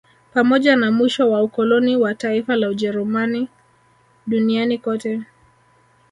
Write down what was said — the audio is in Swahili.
Pamoja na mwisho wa ukoloni wa taifa la Ujerumani duniani kote